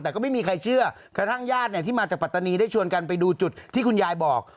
แต่ก็ไม่มีใครเชื่อต้องยาที่มาจากปรตณีได้โชว์กันไปดูจุดที่คุณยายบอก